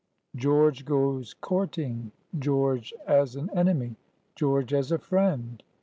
GEORGE GOES COURTING.—GEORGE AS AN ENEMY.—GEORGE AS A FRIEND.